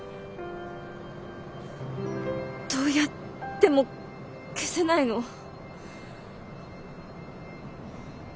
どうやっても消せないの。